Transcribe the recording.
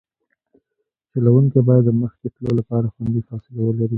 چلوونکی باید د مخکې تلو لپاره خوندي فاصله ولري